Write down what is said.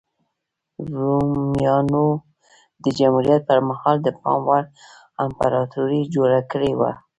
رومیانو د جمهوریت پرمهال د پام وړ امپراتوري جوړه کړې وه